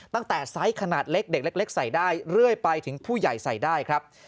ตั้งแต่ไซส์ขนาดเล็กใส่ได้เรื่อยไปถึงผู้ใหญ่ใส่ได้ครับ